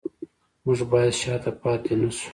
موږ باید شاته پاتې نشو